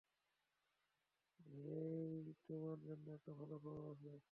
হেই, তোমার জন্য একটা ভালো খবর আছে।